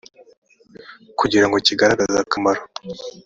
kugira ngo kigaragaze akamaro